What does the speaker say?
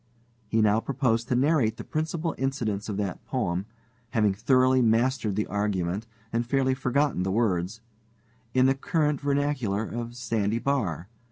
He now proposed to narrate the principal incidents of that poem having thoroughly mastered the argument and fairly forgotten the words in the current vernacular of Sandy Bar.